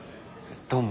どうも。